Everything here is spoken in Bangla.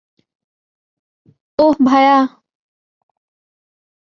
ওহ, ভায়া।